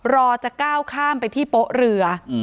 รอจะก้าวข้ามไปที่โป๊ะเรือ